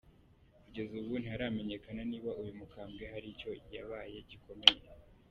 Kugeza ubu ntiharamenyekana niba uyu mukambwe hari icyo yabaye gikomeye.